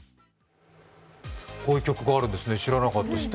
こういう曲があるんですね、知らなかった。